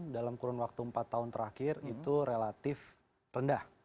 dalam kurun waktu empat tahun terakhir itu relatif rendah